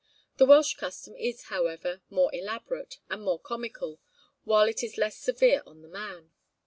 The Welsh custom is, however, more elaborate, and more comical, while it is less severe on the man.